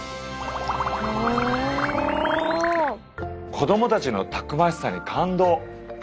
子供たちのたくましさに感動。